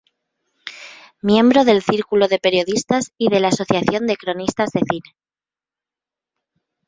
Miembro del Círculo de Periodistas y de la Asociación de Cronistas de Cine.